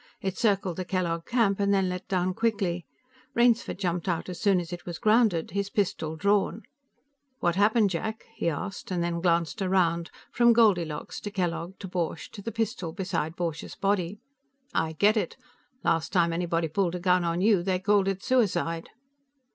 It circled the Kellogg camp and then let down quickly; Rainsford jumped out as soon as it was grounded, his pistol drawn. "What happened, Jack?" he asked, then glanced around, from Goldilocks to Kellogg to Borch to the pistol beside Borch's body. "I get it. Last time anybody pulled a gun on you, they called it suicide."